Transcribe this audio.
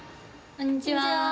こんにちは。